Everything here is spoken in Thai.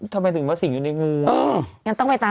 ทำไมถึงมาสิ่งอยู่ในมือ